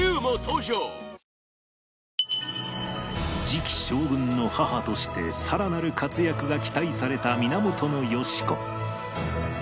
次期将軍の母としてさらなる活躍が期待された源よし子